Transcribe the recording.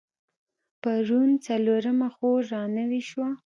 پرون څلرمه خور رانوې شوه.